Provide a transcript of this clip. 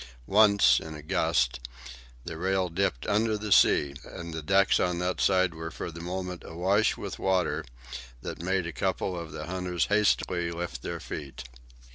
Once, in a gust, the rail dipped under the sea, and the decks on that side were for the moment awash with water that made a couple of the hunters hastily lift their feet.